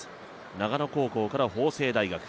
長野高校から法政大学